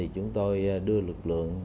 chúng tôi đưa lực lượng